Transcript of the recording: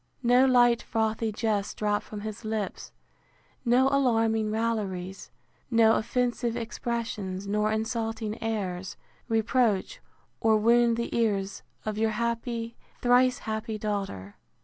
No light frothy jests drop from his lips; no alarming railleries; no offensive expressions, nor insulting airs, reproach or wound the ears of your happy, thrice happy daughter.